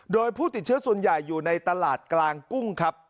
โดยผู้ติดเชื้อส่วนใหญ่อยู่ในตลาดกลางกุ้งครับ